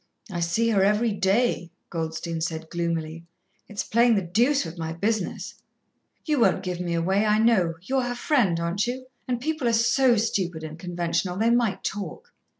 "I see her every day," Goldstein said gloomily. "It's playing the deuce with my business. You won't give me away, I know you're her friend, aren't you? and people are so stupid and conventional, they might talk."